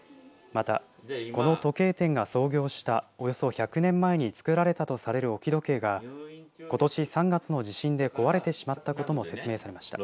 また、この時計店が創業したおよそ１００年前につくられたとされる置き時計がことし３月の地震で壊れてしまったことも説明されました。